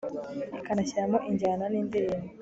ikanashyiramo injyana nindirimbo